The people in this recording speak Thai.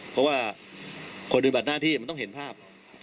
เพราะว่าคนปฏิบัติหน้าที่มันต้องเห็นภาพ